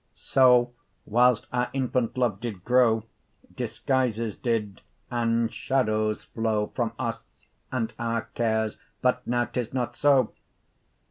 So whilst our infant loves did grow, Disguises did, and shadowes, flow, 10 From us, and our cares; but, now 'tis not so.